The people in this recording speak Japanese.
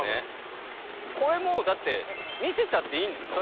これもうだって見せちゃっていいんですか？